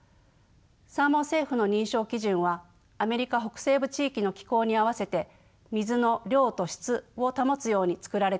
サーモン・セーフの認証基準はアメリカ北西部地域の気候に合わせて水の量と質を保つように作られています。